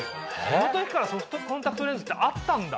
その時からソフトコンタクトレンズってあったんだ！